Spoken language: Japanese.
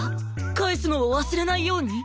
返すのを忘れないように！？